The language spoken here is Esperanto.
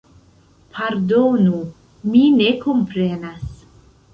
Pardonu, mi ne komprenas.